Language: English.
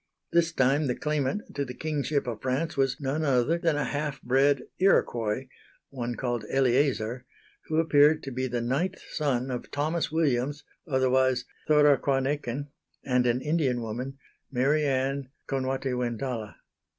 This time the claimant to the Kingship of France was none other than a half bred Iroquois, one called Eleazar, who appeared to be the ninth son of Thomas Williams, otherwise Thorakwaneken, and an Indian woman, Mary Ann Konwatewentala.